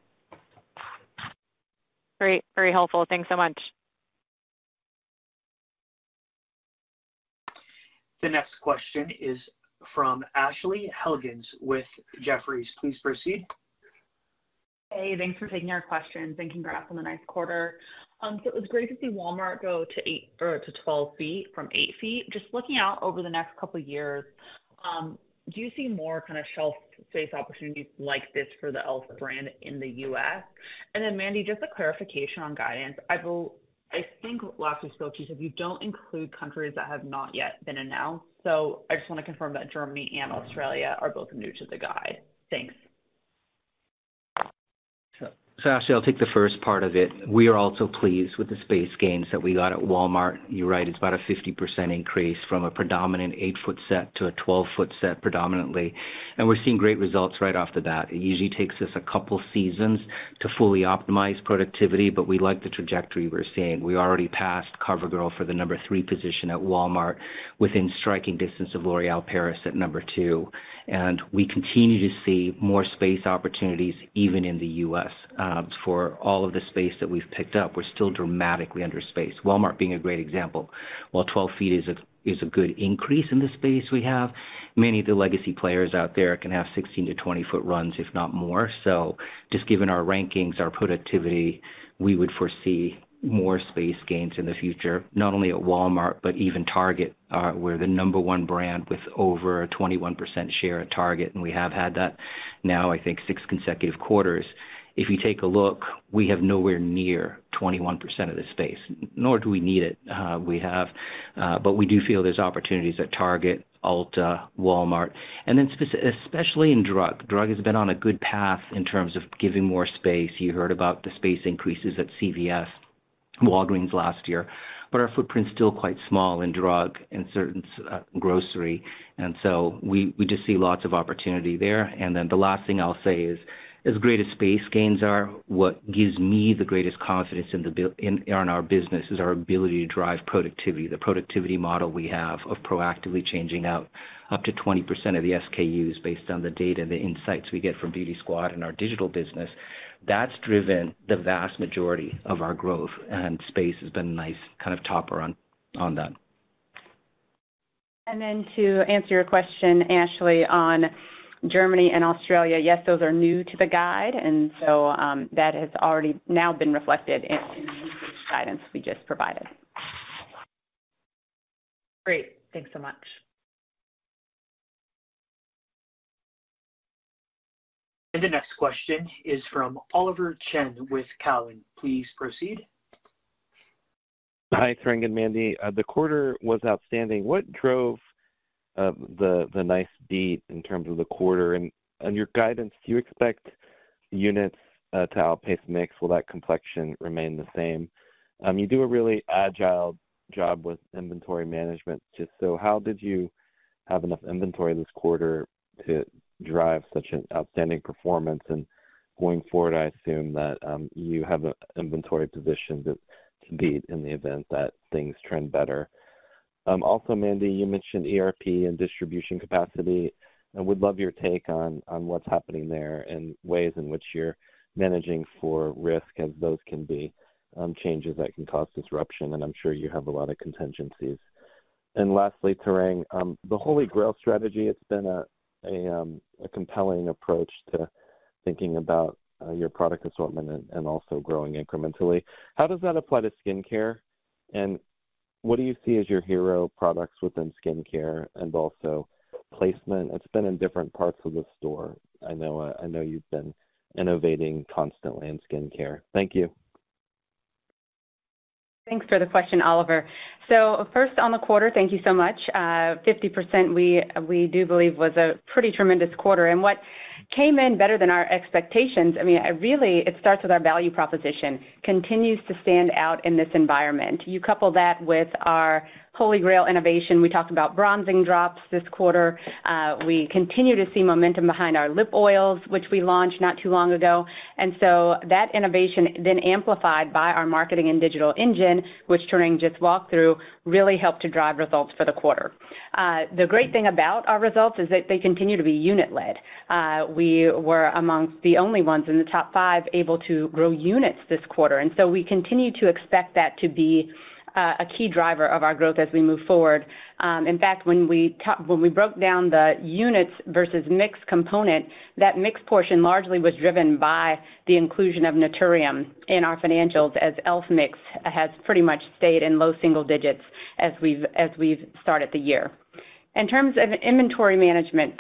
Great. Very helpful. Thanks so much. The next question is from Ashley Helgans with Jefferies. Please proceed. Hey, thanks for taking our questions, and congrats on the nice quarter. So it was great to see Walmart go to eight or to twelve feet from eight feet. Just looking out over the next couple of years, do you see more kind of shelf space opportunities like this for the e.l.f. brand in the U.S.? And then, Mandy, just a clarification on guidance. I think last we spoke, you said you don't include countries that have not yet been announced, so I just want to confirm that Germany and Australia are both new to the guide. Thanks. So, so Ashley, I'll take the first part of it. We are also pleased with the space gains that we got at Walmart. You're right, it's about a 50% increase from a predominant 8-foot set to a 12-foot set predominantly, and we're seeing great results right off the bat. It usually takes us a couple seasons to fully optimize productivity, but we like the trajectory we're seeing. We already passed CoverGirl for the #3 position at Walmart, within striking distance of L'Oréal Paris at #2, and we continue to see more space opportunities, even in the U.S. For all of the space that we've picked up, we're still dramatically under space, Walmart being a great example. While 12 feet is a good increase in the space we have, many of the legacy players out there can have 16- to 20-foot runs, if not more. So just given our rankings, our productivity, we would foresee more space gains in the future, not only at Walmart, but even Target, we're the number one brand with over a 21% share at Target, and we have had that now, I think, six consecutive quarters. If you take a look, we have nowhere near 21% of the space, nor do we need it, but we do feel there's opportunities at Target, Ulta, Walmart, and then especially in drug. Drug has been on a good path in terms of giving more space. You heard about the space increases at CVS, Walgreens last year, but our footprint's still quite small in drug and certain grocery, and so we just see lots of opportunity there. And then the last thing I'll say is, as great as space gains are, what gives me the greatest confidence in the business is our ability to drive productivity. The productivity model we have of proactively changing out up to 20% of the SKUs based on the data, the insights we get from Beauty Squad and our digital business, that's driven the vast majority of our growth, and space has been a nice kind of topper on that. And then to answer your question, Ashley, on Germany and Australia, yes, those are new to the guide, and so, that has already now been reflected in the guidance we just provided. Great. Thanks so much. The next question is from Oliver Chen with Cowen. Please proceed. Hi, Tarang and Mandy. The quarter was outstanding. What drove the nice beat in terms of the quarter? And on your guidance, do you expect units to outpace mix? Will that complexion remain the same? You do a really agile job with inventory management. So how did you have enough inventory this quarter to drive such an outstanding performance? And going forward, I assume that you have an inventory position to beat in the event that things trend better. Also, Mandy, you mentioned ERP and distribution capacity. I would love your take on what's happening there and ways in which you're managing for risk, as those can be changes that can cause disruption, and I'm sure you have a lot of contingencies. And lastly, Tarang, the Holy Grails strategy, it's been a compelling approach to thinking about your product assortment and also growing incrementally. How does that apply to skincare, and what do you see as your hero products within skincare and also placement? It's been in different parts of the store. I know, I know you've been innovating constantly in skincare. Thank you. Thanks for the question, Oliver. So first on the quarter, thank you so much. 50%, we do believe was a pretty tremendous quarter, and what came in better than our expectations, I mean, really, it starts with our value proposition, continues to stand out in this environment. You couple that with our Holy Grail innovation. We talked about Bronzing Drops this quarter. We continue to see momentum behind our lip oils, which we launched not too long ago. And so that innovation then amplified by our marketing and digital engine, which Tarang just walked through, really helped to drive results for the quarter. The great thing about our results is that they continue to be unit-led. We were among the only ones in the top five able to grow units this quarter, and so we continue to expect that to be a key driver of our growth as we move forward. In fact, when we broke down the units versus mix component, that mix portion largely was driven by the inclusion of Naturium in our financials, as e.l.f. mix has pretty much stayed in low single digits as we've started the year. In terms of inventory management,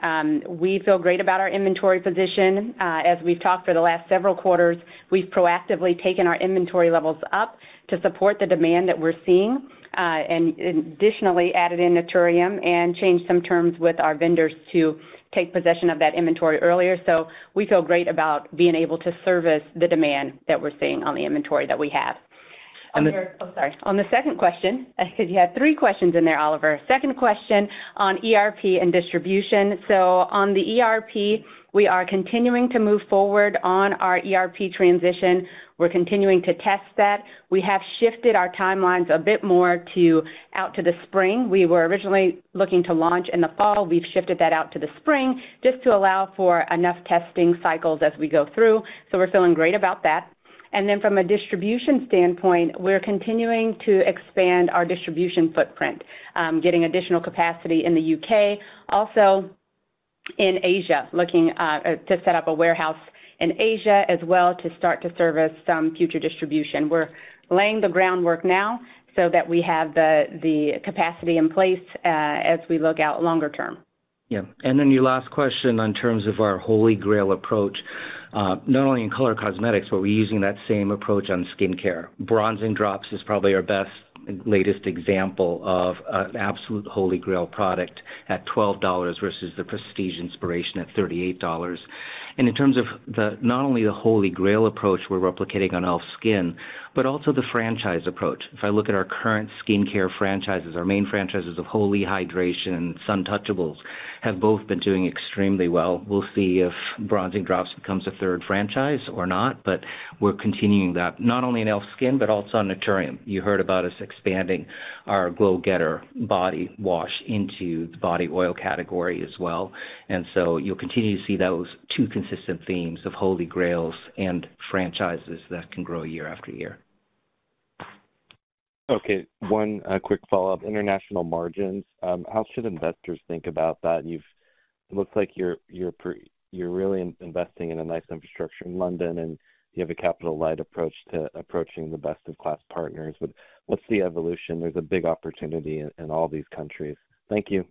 we feel great about our inventory position. As we've talked for the last several quarters, we've proactively taken our inventory levels up to support the demand that we're seeing, and additionally, added in Naturium and changed some terms with our vendors to take possession of that inventory earlier. So we feel great about being able to service the demand that we're seeing on the inventory that we have. On the second question, because you had three questions in there, Oliver. Second question on ERP and distribution. So on the ERP, we are continuing to move forward on our ERP transition. We're continuing to test that. We have shifted our timelines a bit more to out to the spring. We were originally looking to launch in the fall. We've shifted that out to the spring, just to allow for enough testing cycles as we go through. So we're feeling great about that. And then from a distribution standpoint, we're continuing to expand our distribution footprint, getting additional capacity in the U.K., also in Asia, looking to set up a warehouse in Asia as well to start to service some future distribution. We're laying the groundwork now so that we have the capacity in place, as we look out longer term. Yeah, and then your last question in terms of our Holy Grail approach, not only in color cosmetics, but we're using that same approach on skincare. Bronzing Drops is probably our best, latest example of an absolute Holy Grail product at $12 versus the prestige inspiration at $38. and in terms of the, not only the Holy Grail approach we're replicating on e.l.f. Skin, but also the franchise approach. If I look at our current skincare franchises, our main franchises of Holy Hydration, Suntouchables, have both been doing extremely well. We'll see if Bronzing Drops becomes a third franchise or not, but we're continuing that, not only in e.l.f. Skin, but also in Naturium. You heard about us expanding our Glow Getter Body Wash into the body oil category as well, and so you'll continue to see those two consistent themes of Holy Grails and franchises that can grow year after year. Okay, one quick follow-up, international margins. How should investors think about that? It looks like you're really investing in a nice infrastructure in London, and you have a capital light approach to approaching the best-in-class partners. But what's the evolution? There's a big opportunity in all these countries. Thank you.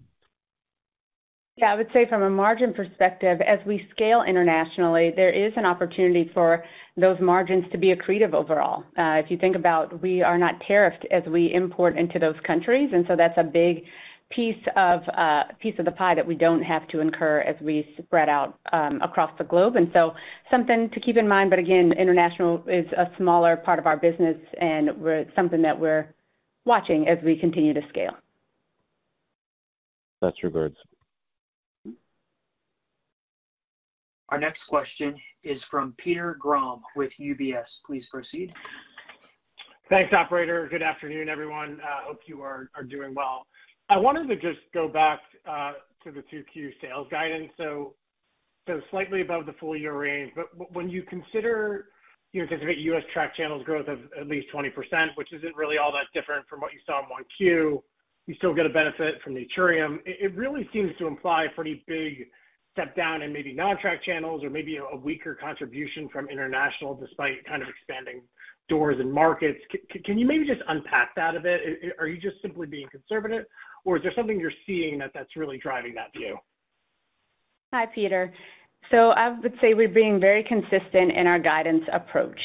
Yeah, I would say from a margin perspective, as we scale internationally, there is an opportunity for those margins to be accretive overall. If you think about, we are not tariffed as we import into those countries, and so that's a big piece of the pie that we don't have to incur as we spread out across the globe. And so something to keep in mind, but again, international is a smaller part of our business, and we're something that we're watching as we continue to scale. Best regards. Our next question is from Peter Grom with UBS. Please proceed. Thanks, operator. Good afternoon, everyone. Hope you are doing well. I wanted to just go back to the 2Q sales guidance. So slightly above the full year range, but when you consider you anticipate U.S. tracked channels growth of at least 20%, which isn't really all that different from what you saw in 1Q, you still get a benefit from Naturium. It really seems to imply a pretty big step down in maybe non-tracked channels or maybe a weaker contribution from international, despite kind of expanding doors and markets. Can you maybe just unpack that a bit? Are you just simply being conservative, or is there something you're seeing that's really driving that view? Hi, Peter. So I would say we're being very consistent in our guidance approach.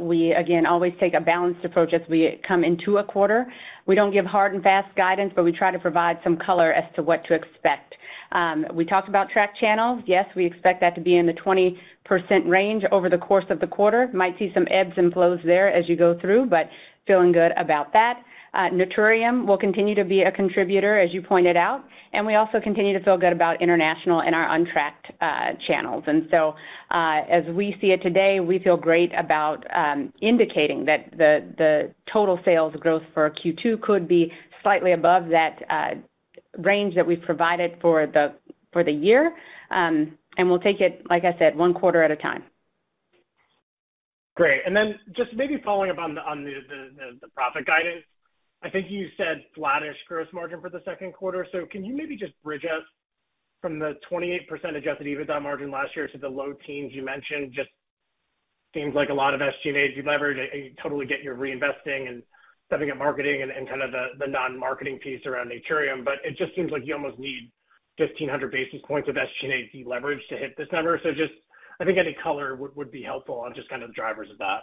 We, again, always take a balanced approach as we come into a quarter. We don't give hard and fast guidance, but we try to provide some color as to what to expect. We talked about tracked channels. Yes, we expect that to be in the 20% range over the course of the quarter. Might see some ebbs and flows there as you go through, but feeling good about that. Naturium will continue to be a contributor, as you pointed out, and we also continue to feel good about international and our untracked channels. And so, as we see it today, we feel great about indicating that the total sales growth for Q2 could be slightly above that range that we've provided for the year. We'll take it, like I said, one quarter at a time. Great. And then just maybe following up on the profit guidance, I think you said flattish gross margin for the second quarter. So can you maybe just bridge us from the 28% adjusted EBITDA margin last year to the low teens you mentioned? Just seems like a lot of SG&A leverage. I totally get you're reinvesting and stepping up marketing and kind of the non-marketing piece around Naturium, but it just seems like you almost need 1,500 basis points of SG&A leverage to hit this number. So just, I think any color would be helpful on just kind of drivers of that.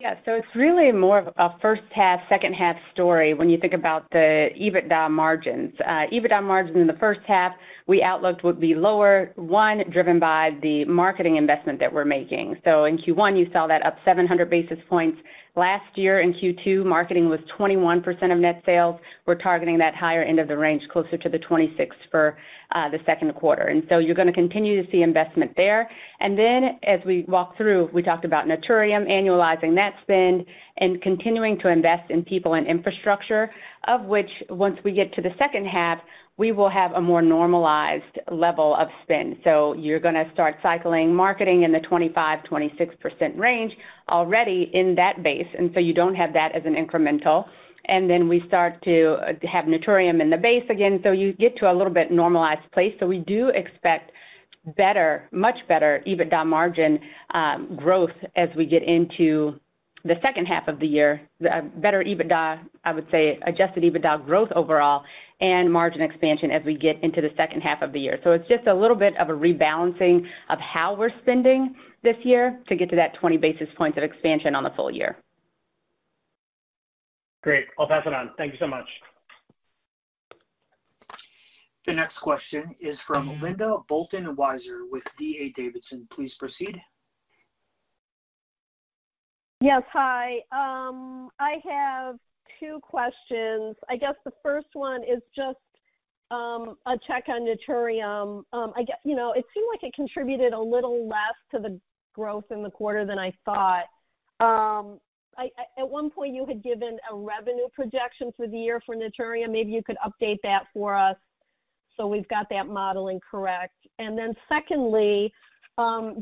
Yeah. So it's really more of a first half, second half story when you think about the EBITDA margins. EBITDA margin in the first half, we outlooked would be lower, driven by the marketing investment that we're making. So in Q1, you saw that up 700 basis points. Last year in Q2, marketing was 21% of net sales. We're targeting that higher end of the range, closer to the 26% for the second quarter. And so you're gonna continue to see investment there. And then as we walk through, we talked about Naturium, annualizing that spend, and continuing to invest in people and infrastructure, of which, once we get to the second half, we will have a more normalized level of spend. So you're gonna start cycling marketing in the 25%-26% range already in that base, and so you don't have that as an incremental. And then we start to have Naturium in the base again, so you get to a little bit normalized place. So we do expect better, much better EBITDA margin growth as we get into the second half of the year. Better EBITDA, I would say, adjusted EBITDA growth overall and margin expansion as we get into the second half of the year. So it's just a little bit of a rebalancing of how we're spending this year to get to that 20 basis points of expansion on the full year. Great. I'll pass it on. Thank you so much. The next question is from Linda Bolton Weiser with D.A. Davidson. Please proceed. Yes, hi. I have two questions. I guess the first one is just a check on Naturium. I guess, you know, it seemed like it contributed a little less to the growth in the quarter than I thought. At one point, you had given a revenue projection for the year for Naturium. Maybe you could update that for us, so we've got that modeling correct. And then secondly,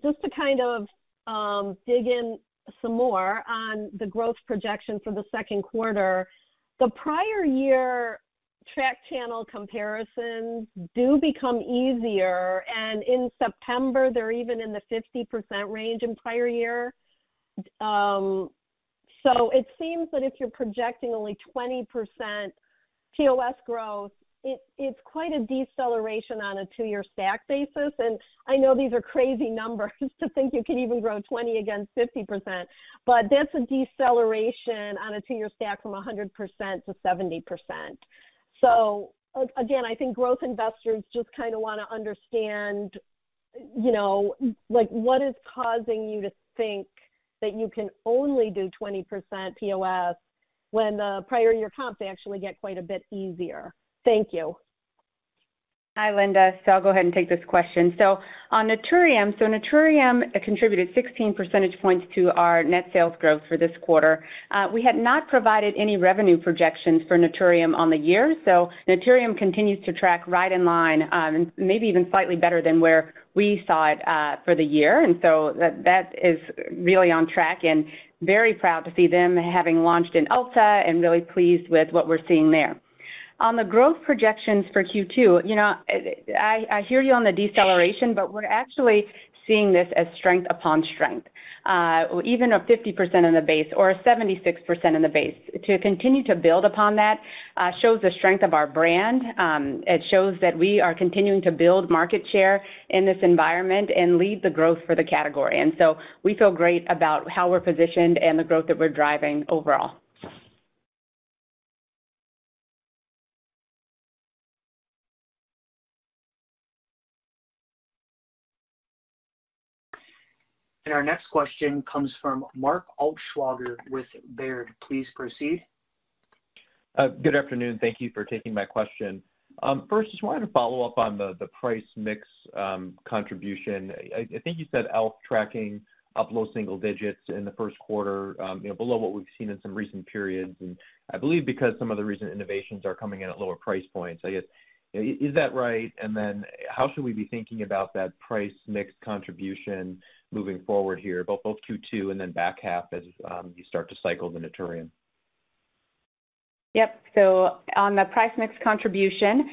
just to kind of dig in some more on the growth projection for the second quarter, the prior year tracked channels comparisons do become easier, and in September, they're even in the 50% range in prior year. So it seems that if you're projecting only 20% POS growth, it's quite a deceleration on a two-year stack basis, and I know these are crazy numbers to think you could even grow 20% against 50%, but that's a deceleration on a two-year stack from 100% to 70%. So again, I think growth investors just kind of wanna understand- You know, like, what is causing you to think that you can only do 20% POS when the prior year comps actually get quite a bit easier? Thank you. Hi, Linda. So I'll go ahead and take this question. So on Naturium, so Naturium contributed 16 percentage points to our net sales growth for this quarter. We had not provided any revenue projections for Naturium on the year, so Naturium continues to track right in line, and maybe even slightly better than where we saw it, for the year. And so that, that is really on track, and very proud to see them having launched in Ulta and really pleased with what we're seeing there. On the growth projections for Q2, you know, I, I hear you on the deceleration, but we're actually seeing this as strength upon strength. Even a 50% in the base or a 76% in the base, to continue to build upon that, shows the strength of our brand. It shows that we are continuing to build market share in this environment and lead the growth for the category. And so we feel great about how we're positioned and the growth that we're driving overall. Our next question comes from Mark Altschwager with Baird. Please proceed. Good afternoon. Thank you for taking my question. First, just wanted to follow up on the price mix contribution. I think you said e.l.f. tracking up low single digits in the first quarter, you know, below what we've seen in some recent periods, and I believe because some of the recent innovations are coming in at lower price points, I guess. Is that right? And then how should we be thinking about that price mix contribution moving forward here, both Q2 and then back half as you start to cycle the Naturium? Yep. So on the price mix contribution,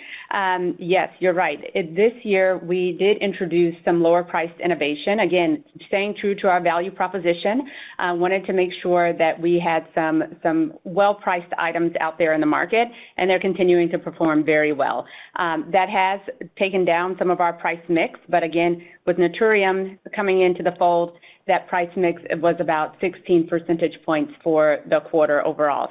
yes, you're right. This year we did introduce some lower priced innovation. Again, staying true to our value proposition, wanted to make sure that we had some, some well-priced items out there in the market, and they're continuing to perform very well. That has taken down some of our price mix, but again, with Naturium coming into the fold, that price mix was about 16 percentage points for the quarter overall.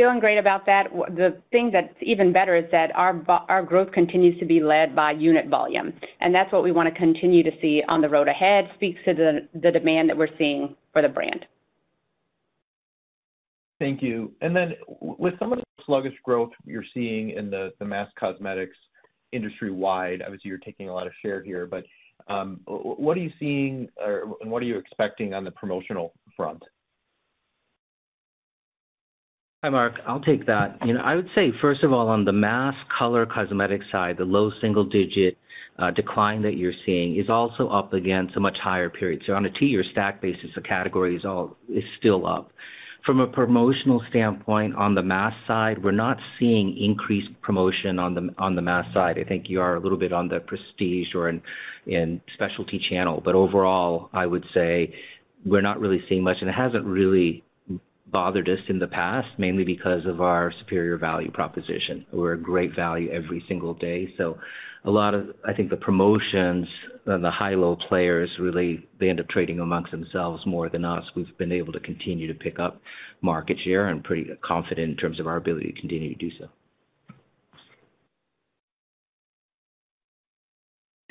So feeling great about that. The thing that's even better is that our growth continues to be led by unit volume, and that's what we wanna continue to see on the road ahead. Speaks to the demand that we're seeing for the brand. Thank you. And then with some of the sluggish growth you're seeing in the mass cosmetics industry-wide, obviously, you're taking a lot of share here, but what are you seeing, or and what are you expecting on the promotional front? Hi, Mark. I'll take that. You know, I would say, first of all, on the mass color cosmetic side, the low single digit decline that you're seeing is also up against a much higher period. So on a two-year stack basis, the category is all, is still up. From a promotional standpoint, on the mass side, we're not seeing increased promotion on the mass side. I think you are a little bit on the prestige or in specialty channel, but overall, I would say we're not really seeing much, and it hasn't really bothered us in the past, mainly because of our superior value proposition. We're a great value every single day, so a lot of. I think the promotions and the high-low players, really, they end up trading amongst themselves more than us. We've been able to continue to pick up market share, and I'm pretty confident in terms of our ability to continue to do so.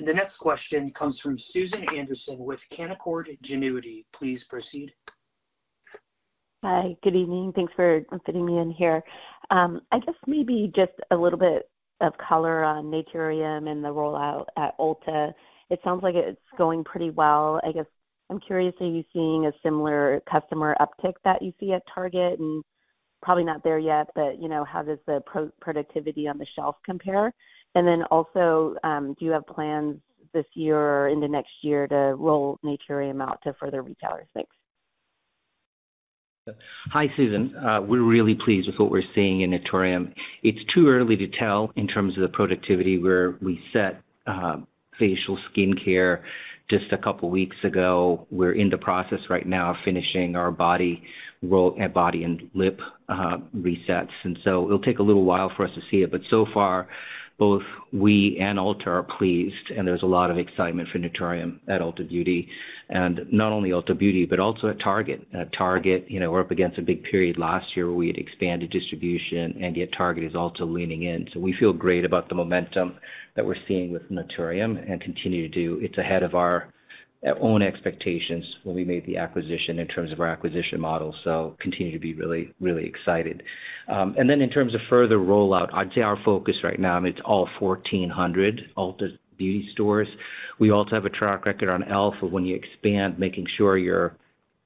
The next question comes from Susan Anderson with Canaccord Genuity. Please proceed. Hi, good evening. Thanks for fitting me in here. I guess maybe just a little bit of color on Naturium and the rollout at Ulta. It sounds like it's going pretty well. I guess I'm curious, are you seeing a similar customer uptick that you see at Target? And probably not there yet, but, you know, how does the productivity on the shelf compare? And then also, do you have plans this year or into next year to roll Naturium out to further retailers? Thanks. Hi, Susan. We're really pleased with what we're seeing in Naturium. It's too early to tell in terms of the productivity, where we set facial skincare just a couple weeks ago. We're in the process right now of finishing our body roll, body and lip resets, and so it'll take a little while for us to see it, but so far, both we and Ulta are pleased, and there's a lot of excitement for Naturium at Ulta Beauty, and not only Ulta Beauty, but also at Target. At Target, you know, we're up against a big period last year where we had expanded distribution, and yet Target is also leaning in. So we feel great about the momentum that we're seeing with Naturium and continue to do. It's ahead of our own expectations when we made the acquisition in terms of our acquisition model, so continue to be really, really excited. And then in terms of further rollout, I'd say our focus right now, it's all 1,400 Ulta Beauty stores. We also have a track record on Elf of when you expand, making sure your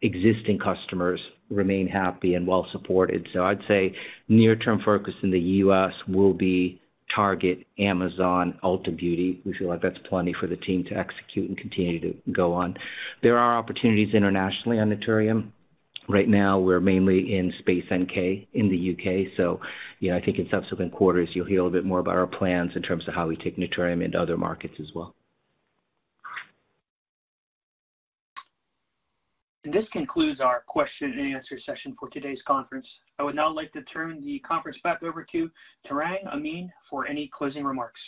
existing customers remain happy and well supported. So I'd say near-term focus in the U.S. will be Target, Amazon, Ulta Beauty. We feel like that's plenty for the team to execute and continue to go on. There are opportunities internationally on Naturium. Right now, we're mainly in Space NK in the U.K., so you know, I think in subsequent quarters you'll hear a little bit more about our plans in terms of how we take Naturium into other markets as well. This concludes our question and answer session for today's conference. I would now like to turn the conference back over to Tarang Amin for any closing remarks.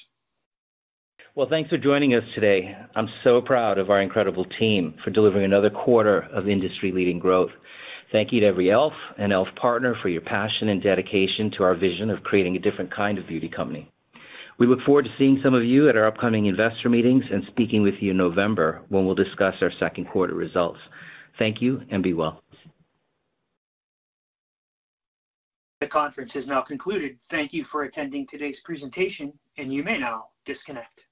Well, thanks for joining us today. I'm so proud of our incredible team for delivering another quarter of industry-leading growth. Thank you to every e.l.f. and e.l.f. partner for your passion and dedication to our vision of creating a different kind of beauty company. We look forward to seeing some of you at our upcoming investor meetings and speaking with you in November, when we'll discuss our second quarter results. Thank you, and be well. The conference is now concluded. Thank you for attending today's presentation, and you may now disconnect.